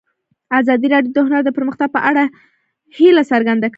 ازادي راډیو د هنر د پرمختګ په اړه هیله څرګنده کړې.